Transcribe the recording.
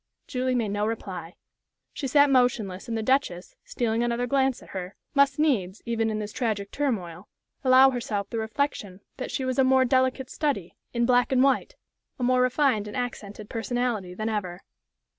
Julie made no reply. She sat motionless, and the Duchess, stealing another glance at her, must needs, even in this tragic turmoil, allow herself the reflection that she was a more delicate study in black and white, a more refined and accented personality than ever.